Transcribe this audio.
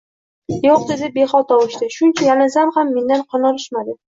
Yo`q, dedi behol tovushda, Shuncha yalinsam ham mendan qon olishmadi